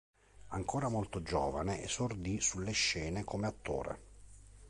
Ancora molto giovane, esordì sulle scene come attore.